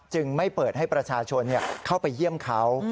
ไม่เปิดให้ประชาชนเข้าไปเยี่ยมเขา